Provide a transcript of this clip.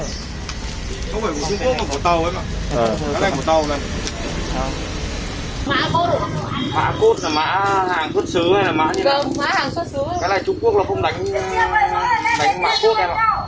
cái này trung quốc nó không đánh mã cốt hay là không